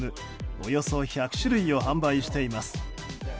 およそ１００種類を販売しています。